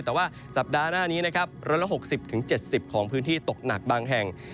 แต่ว่าสัปดาห์หน้านี้นะครับ๑๖๐๗๐ของพื้นที่ตกหนักบางแห่ง